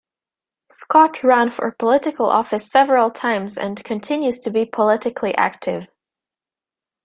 Scott ran for political office several times and continues to be politically active.